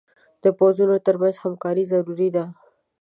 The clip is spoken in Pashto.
د پوځونو تر منځ همکاري ضروري ده.